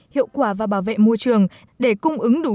hiệu quả và bảo vệ môi trường để cung ứng đủ